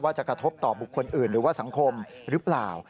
จะกระทบต่อบุคคลอื่นหรือว่าสังคมหรือเปล่า